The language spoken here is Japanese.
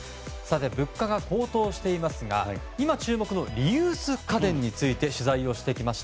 物価が高騰していますが今、注目のリユース家電について取材をしてきました。